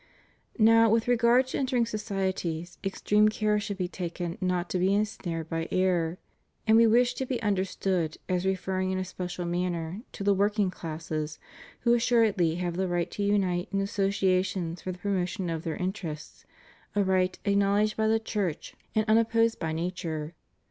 Now, with regard to entering societies, extreme care should be taken not to be ensnared by error. And We wish to be understood as referring in a special manner to the working classes, who assuredly have the right to unite in associations for the promotion of their interests; a right acknowledged by the Church and unopposed by ' Encyc. Arcanum. 332 CATHOLICITY IN THE UNITED STATES. nature.